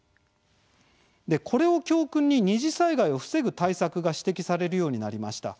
これを教訓に二次災害を防ぐ対策が指摘されるようになりました。